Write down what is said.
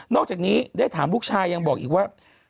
อกจากนี้ได้ถามลูกชายยังบอกอีกว่า